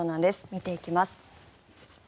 見ていきます。